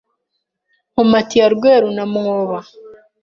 Nkomati ya Rweru na mwoba